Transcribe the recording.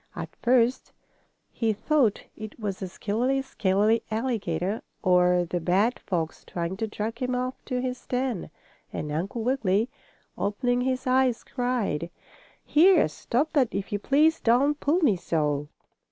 At first he thought it was the skillery scalery alligator, or the bad fox trying to drag him off to his den, and Uncle Wiggily, opening his eyes, cried: "Here! Stop that if you please! Don't pull me so!"